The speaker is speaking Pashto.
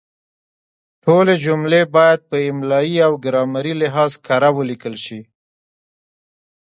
ټولې جملې باید په املایي او ګرامري لحاظ کره ولیکل شي.